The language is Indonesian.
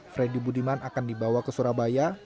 freddy budiman akan dibawa ke surabaya